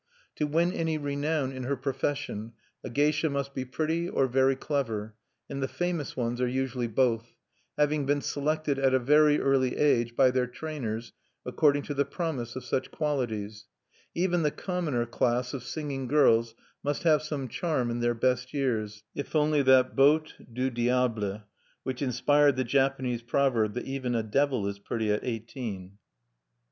To win any renown in her profession, a geisha must be pretty or very clever; and the famous ones are usually both, having been selected at a very early age by their trainers according to the promise of such qualities, even the commoner class of singing girls must have some charm in their best years, if only that beaute du diable which inspired the Japanese proverb that even a devil is pretty at eighteen(1).